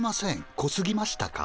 こすぎましたか？